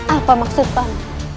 apa maksud baman